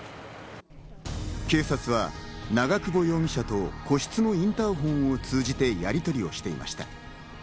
警察は長久保容疑者と個室のインターホンを通じてやりとりをしていました。